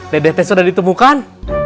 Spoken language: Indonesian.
dedehnya sudah ditemukan